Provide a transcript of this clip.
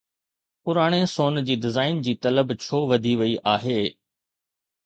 پراڻي سون جي ڊيزائن جي طلب ڇو وڌي وئي آهي؟